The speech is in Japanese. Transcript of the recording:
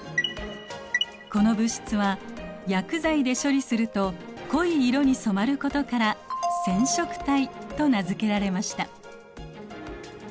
この物質は薬剤で処理すると濃い色に染まることから染色体と名付けられました。